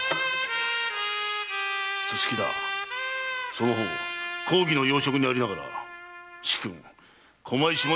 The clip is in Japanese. その方公儀の要職にありながら主君・駒井志摩